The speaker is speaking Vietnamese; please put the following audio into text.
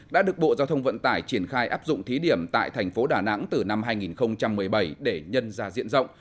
đã được bộ giao thông vận tải triển khai áp dụng thí điểm tại thành phố đà nẵng từ năm hai nghìn một mươi bảy để nhân ra diện rộng